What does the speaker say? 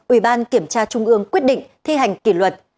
ủy ban kiểm tra trung ương quyết định thi hành kỷ luật